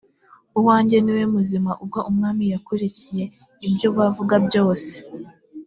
uwange ni we muzima ubwo umwami yakurikiye ibyo bavuga byose